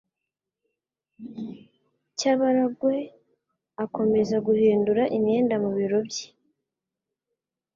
Cyabarangwe akomeza guhindura imyenda mu biro bye.